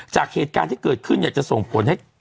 จากเหตุการณ์ที่เกิดขึ้นเนี่ยจะส่งผลให้